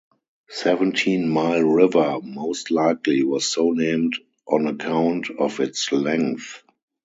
Seventeen Mile River most likely was so named on account of its length.